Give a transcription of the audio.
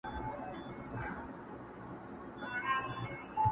ما د سباوون په تمه تور وېښته سپین کړي دي!.